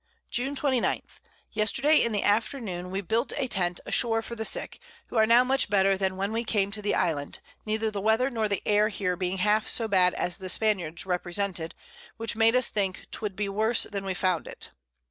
June 29. Yesterday in the Afternoon we built a Tent ashore for the Sick, who are now much better than when we came to the Island, neither the Weather nor the Air here being half so bad as the Spaniards represented, which made us think 'twould be worse than we found it.